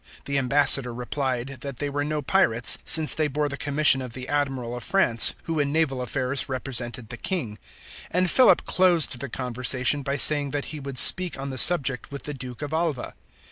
The ambassador replied, that they were no pirates, since they bore the commission of the Admiral of France, who in naval affairs represented the King; and Philip closed the conversation by saying that he would speak on the subject with the Duke of Alva.